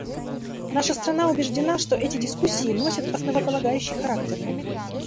Наша страна убеждена, что эти дискуссии носят основополагающий характер.